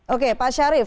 oke pak syarif